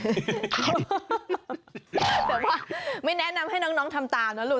แต่ว่าไม่แนะนำให้น้องทำตามนะลูก